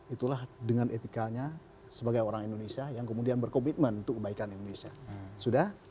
itulah dengan etikanya sebagai orang indonesia yang kemudian berkomitmen untuk kebaikan indonesia sudah